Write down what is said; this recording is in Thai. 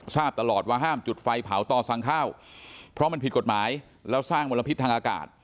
ทราบตลอดว่าห้ามจุดไฟเผาต่อสั่งข้าวเพราะมันผิดกฎหมายแล้วสร้างมลพิษทางอากาศ